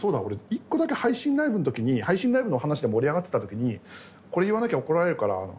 俺一個だけ配信ライブの時に配信ライブの話で盛り上がってた時にこれ言わなきゃ怒られるから。